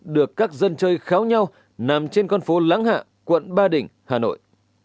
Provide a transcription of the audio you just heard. được các dân chơi khéo nhau nằm trên con phố lắng hạ quận ba đình hà nội